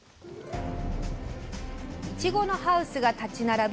いちごのハウスが立ち並ぶ